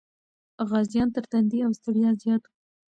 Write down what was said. غازيان تر تندې او ستړیا زیات و.